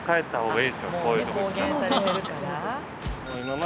はい。